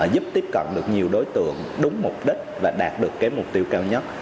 giúp tiếp cận được nhiều đối tượng đúng mục đích và đạt được cái mục tiêu cao nhất